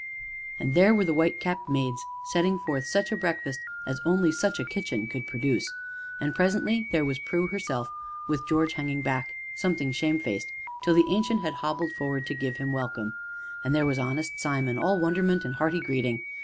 And there were the white capped maids setting forth such a breakfast as only such a kitchen could produce. And, presently, there was Prue herself, with George hanging back, something shamefaced, till the Ancient had hobbled forward to give him welcome. And there was honest Simon, all wonderment and hearty greeting.